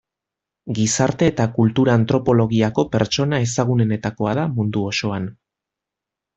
Gizarte- eta kultura-antropologiako pertsona ezagunenetakoa da mundu osoan.